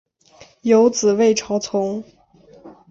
有子魏朝琮。